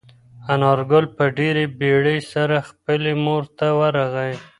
انارګل په ډېرې بیړې سره خپلې مور ته ورغی.